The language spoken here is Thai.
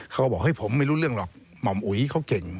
เขาบอกเฮ้ยผมไม่รู้เรื่องหรอกหม่อมอุ๋ยเขาเก่ง